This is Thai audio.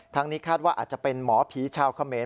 นี้คาดว่าอาจจะเป็นหมอผีชาวเขมร